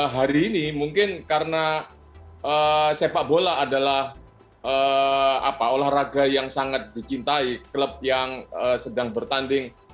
hari ini mungkin karena sepak bola adalah olahraga yang sangat dicintai klub yang sedang bertanding